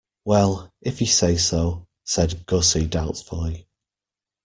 "Well, if you say so," said Gussie doubtfully.